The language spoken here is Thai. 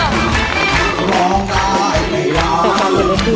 คือร้องไปแล้ว